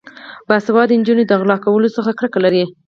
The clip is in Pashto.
باسواده نجونې د غلا کولو څخه کرکه لري.